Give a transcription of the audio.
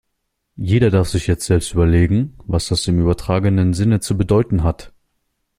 Jeder darf sich jetzt selbst überlegen, was das im übertragenen Sinne zu bedeuten hat.